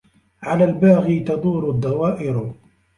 على الباغي تدور الدوائر